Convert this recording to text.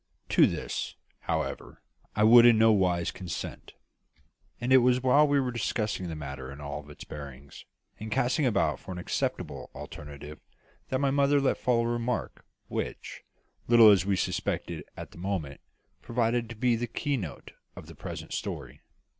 To this, however, I would in no wise consent; and it was while we were discussing the matter in all its bearings, and casting about for an acceptable alternative, that my mother let fall a remark, which, little as we suspected it at the moment, proved to be the key note of the present story.